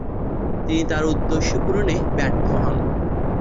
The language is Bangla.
তিনি তার উদ্দেশ্য পূরণে ব্যর্থ হন।